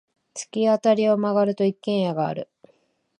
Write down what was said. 突き当たりを曲がると、一軒家がある。